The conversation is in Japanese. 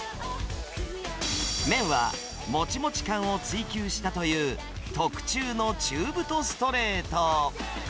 麺はもちもち感を追求したという特注の中太ストレート。